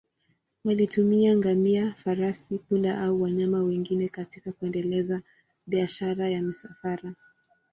Walitumia ngamia, farasi, punda au wanyama wengine katika kuendeleza biashara ya misafara.